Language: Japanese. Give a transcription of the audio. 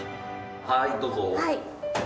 はい、どうぞ。